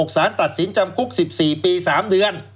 สารตัดสินจำคุก๑๔ปี๓เดือน